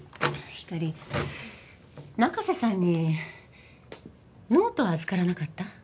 ひかり中瀬さんにノートは預からなかった？